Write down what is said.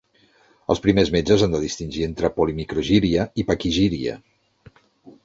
Els primers metges han de distingir entre polimicrogíria i paquigíria.